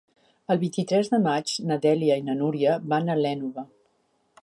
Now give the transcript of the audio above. El vint-i-tres de maig na Dèlia i na Núria van a l'Énova.